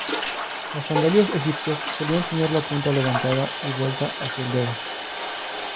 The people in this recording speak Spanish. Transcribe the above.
Las sandalias egipcias solían tener la punta levantada y vuelta hacia el dedo.